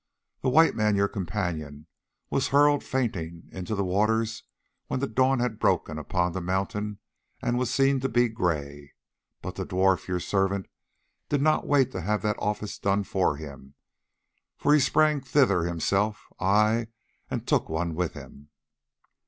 The white man, your companion, was hurled fainting into the waters when the dawn had broken upon the mountain and was seen to be grey; but the dwarf, your servant, did not wait to have that office done for him, for he sprang thither himself, ay, and took one with him."